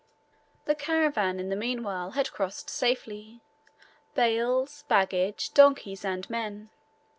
The caravan in the meanwhile had crossed safely bales, baggage, donkeys, and men.